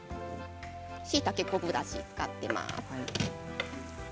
しいたけ、昆布だし使っています。